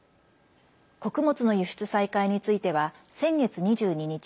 穀物の輸出再開については先月２２日